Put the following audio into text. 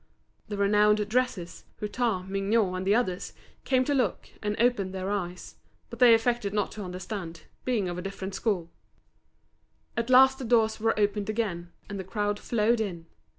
The renowned dressers, Hutin, Mignot, and others, came to look, and opened their eyes; but they affected not to understand, being of a different school. At last the doors were opened again, and the crowd flowed in.